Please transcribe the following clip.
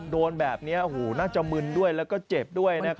โดนแบบนี้น่าจะมื้นด้วยและเจ็บด้วยปั๊บ